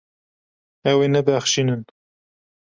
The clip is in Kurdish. Ew ê nebexşînin.